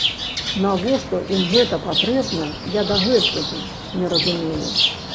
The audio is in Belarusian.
Навошта ім гэта патрэбна, я дагэтуль не разумею.